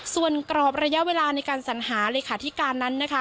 ส่วนกรอบระยะเวลาในการสัญหาเลขาธิการนั้นนะคะ